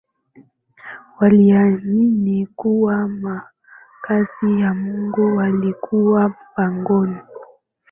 Waliamini kuwa makazi ya Mungu yalikuwa pangoni